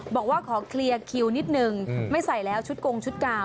บอกว่าขอเคลียร์คิวนิดนึงไม่ใส่แล้วชุดกงชุดกาว